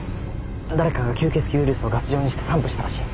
誰かが吸血鬼ウイルスをガス状にして散布したらしい。